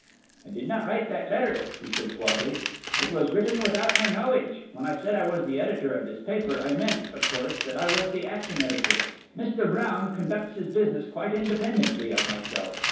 "I did not write that letter," he said suavely; "it was written without my knowledge. When I said that I was the editor of this paper, I meant, of course, that I was the acting editor. Mr. Brown conducts his business quite independently of myself.